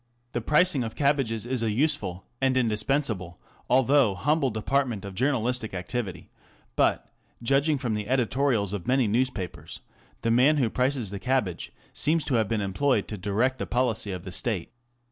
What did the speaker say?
The pricing of cabbages is a useful and indispensable although humble department of journalistic activity ; but, judging from the editorials of many newspapers, the man who prices the cabbage seems to have been employed to direct the policy of the State.